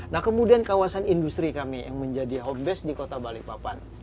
nah kemudian kawasan industri kami yang menjadi home base di kota balikpapan